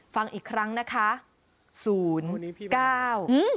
ฟังอีกครั้งนะคะ๐๙